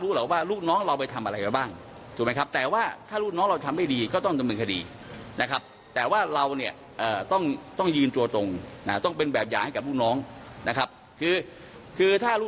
คือถ้ารูปน้องที่มีนิ้วไหนไร้ก็ต้องตัด